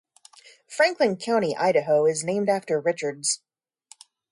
Franklin County, Idaho, is named after Richards.